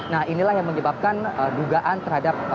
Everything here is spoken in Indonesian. nah inilah yang menyebabkan dugaan terhadap